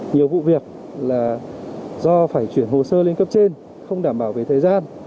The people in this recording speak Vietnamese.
nhiều vụ việc là do phải chuyển hồ sơ lên cấp trên không đảm bảo về thời gian